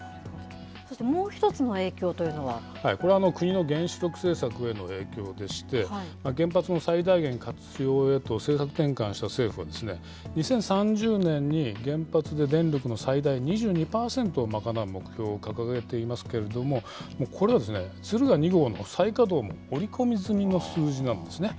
そしてもう一つの影響というこれは国の原子力政策への影響でして、原発の最大限活用へと、政策転換した政府は、２０３０年に、原発で電力の最大２２％を賄う目標を掲げていますけれども、これはですね、敦賀２号の再稼働も織り込み済みの数字なんですね。